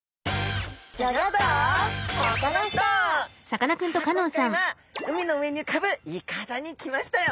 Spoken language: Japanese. さあ今回は海の上に浮かぶいかだに来ましたよ！